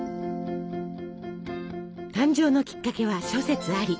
誕生のきっかけは諸説あり。